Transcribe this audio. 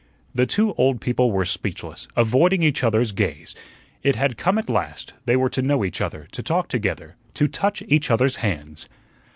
The two old people were speechless, avoiding each other's gaze. It had come at last; they were to know each other, to talk together, to touch each other's hands.